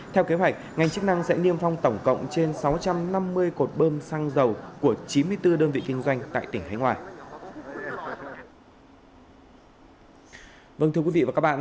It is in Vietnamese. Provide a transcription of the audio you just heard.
theo kế hoạch ngành chức năng sẽ niêm phong tổng cộng trên sáu trăm năm mươi cột bơm xăng dầu của chín mươi bốn đơn vị kinh doanh tại tỉnh khánh hòa